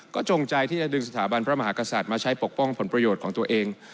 ก็จงใจที่จะดึงสถาบันพระมหากษัตริย์มาใช้ปกป้องผลประโยชน์ของตัวเอง